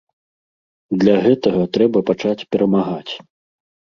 Для гэтага трэба пачаць перамагаць.